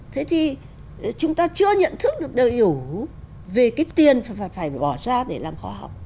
thế thì chúng ta chưa nhận thức được đời ủ về cái tiền phải bỏ ra để làm khoa học